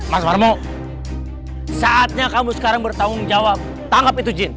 mas farmo saatnya kamu sekarang bertanggung jawab tangkap itu jin